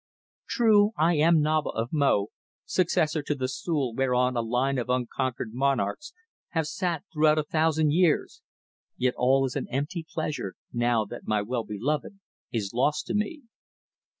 True I am Naba of Mo, successor to the stool whereon a line of unconquered monarchs have sat throughout a thousand years, yet all is an empty pleasure now that my well beloved is lost to me."